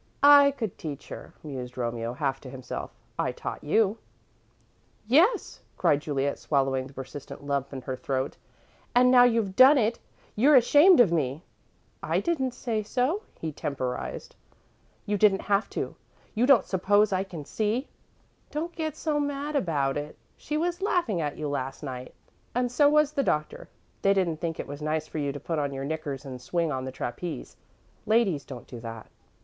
"I could teach her," mused Romeo, half to himself. "I taught you." "Yes," cried Juliet, swallowing the persistent lump in her throat, "and now you've done it, you're ashamed of me!" "I didn't say so," he temporised. "You didn't have to. Don't you suppose I can see?" "Don't get so mad about it. She was laughing at you last night and so was the Doctor. They didn't think it was nice for you to put on your knickers and swing on the trapeze. Ladies don't do that."